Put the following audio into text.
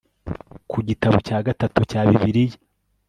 ku gitabo cya gatatu cya bibiliya